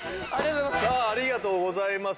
ありがとうございます。